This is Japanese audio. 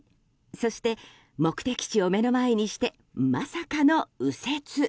そして、目的地を目の前にしてまさかの右折。